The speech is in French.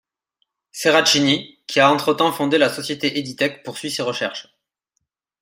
Seracini, qui a entretemps fondé la société Editech poursuit ses recherches.